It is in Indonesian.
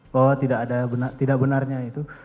bahwa tidak ada tidak benarnya itu